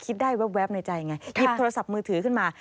คิดได้แว๊บในใจไงหยิบโทรศัพท์มือถือขึ้นมา